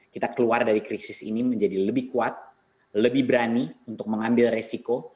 kita keluar dari krisis ini menjadi lebih kuat lebih berani untuk mengambil resiko